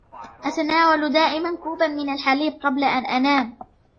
أتناول دائما كوبا من الحليب قبل أن أنام.